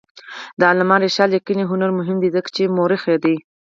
د علامه رشاد لیکنی هنر مهم دی ځکه چې مؤرخ دی.